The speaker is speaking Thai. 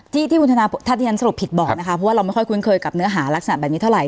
ถ้าที่เดี๋ยวท้องผิดบอกนะคะเพราะว่าคุ้นเคยเรื่องของหากฯไม่ค่อยมีเท่าไหร่